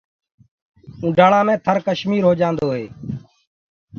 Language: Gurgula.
اونڍآݪآ مي ٿݪ ڪشمير هو جآندوئي